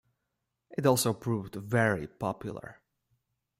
It also proved very popular.